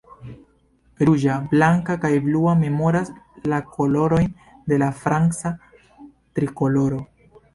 Ruĝa, blanka, kaj blua memoras la kolorojn de la franca Trikoloro.